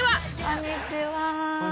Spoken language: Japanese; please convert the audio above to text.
こんにちは。